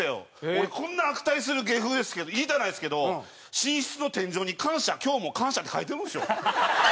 俺こんな悪態する芸風ですけど言いたないですけど寝室の天井に「感謝今日も感謝」って書いてるんですよ。